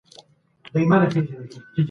هغه داسې کار وکړ چي خلګ حيران سول.